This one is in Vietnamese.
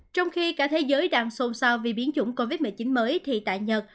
trong khi cả thế giới đang xôn xao vì biến chủng covid một mươi chín mới thì tại nhật